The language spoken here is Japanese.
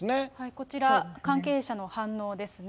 こちら、関係者の反応ですね。